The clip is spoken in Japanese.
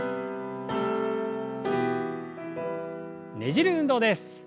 ねじる運動です。